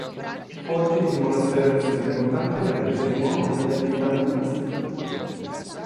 Oggi il monastero è un sito importante per le cerimonie e le attività buddiste.